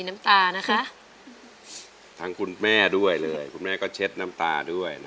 นะคะทั้งคุณแม่ด้วยเลยคุณแม่ก็เช็ดน้ำตาด้วยนะคะ